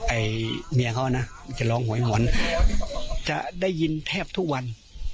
ไอ้เมียเขานะจะร้องหวยหอนจะได้ยินแทบทุกวัน